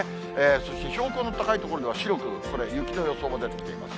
そして、標高の高い所では白くこれ、雪の予想も出てきています。